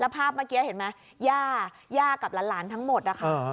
ภาพเมื่อกี้เห็นไหมย่าย่ากับหลานทั้งหมดนะคะ